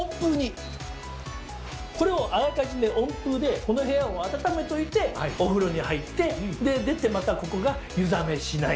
これをあらかじめ温風でこの部屋を暖めておいてお風呂に入って出てまたここが湯冷めしない。